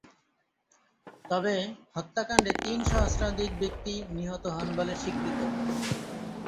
তবে, হত্যাকাণ্ডে তিন সহস্রাধিক ব্যক্তি নিহত হন বলে স্বীকৃত।